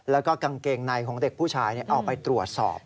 แล้วก็กางเกงในของเด็กผู้ชายเอาไปตรวจสอบ